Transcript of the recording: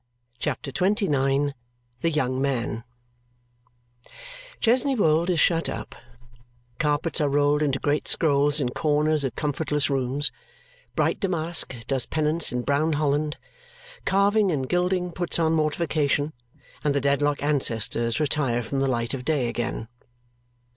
CHAPTER XXIX The Young Man Chesney Wold is shut up, carpets are rolled into great scrolls in corners of comfortless rooms, bright damask does penance in brown holland, carving and gilding puts on mortification, and the Dedlock ancestors retire from the light of day again.